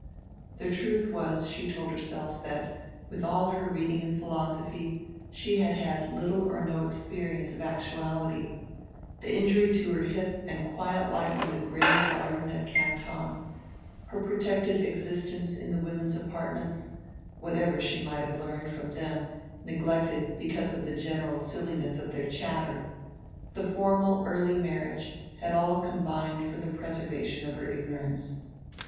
The truth was, she told herself, that with all her reading and philosophy she had had little or no experience of actuality: the injury to her hip and quiet life in the gray garden at Canton, her protected existence in the women's apartments, whatever she might have learned from them neglected because of the general silliness of their chatter, the formal early marriage, had all combined for the preservation of her ignorance.